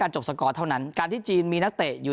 จบสกอร์เท่านั้นการที่จีนมีนักเตะอยู่